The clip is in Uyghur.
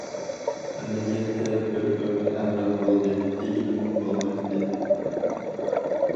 ئەمەلىيەتتە بىر ئۆمۈر ھەمراھ بولدى، دېگىلىمۇ بولمايتتى.